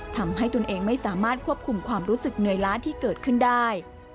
ทำให้ทุนเองไม่สามารถควบคุมความรู้สึกหน่วยล้าที่เกิดขึ้นได้